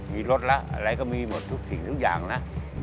มีรถละอะไรก็มีหมดทุกสิ่งทุกอย่างนะ